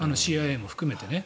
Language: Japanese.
ＣＩＡも含めてね。